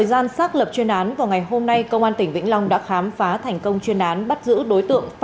xin chào và hẹn gặp lại